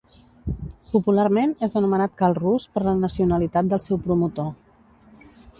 Popularment és anomenat Cal Rus per la nacionalitat del seu promotor.